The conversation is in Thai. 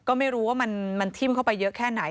ก็ไม่รู้ว่ามันทิ้มเข้าไปเยอะแค่ไหน